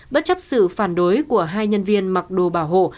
bất chấp sự phản đối của hai nhân viên mặc đồ bảo hộ